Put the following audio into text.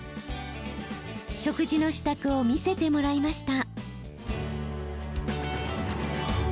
食事の支度を見せてもらいました。